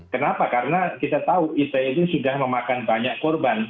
kenapa karena kita tahu ite itu sudah memakan banyak korban